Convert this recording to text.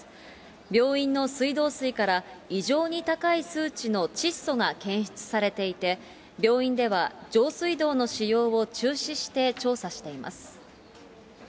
病院の水道水から、異常に高い数値の窒素が検出されていて、病院では上水道の使用を中止して調査しています。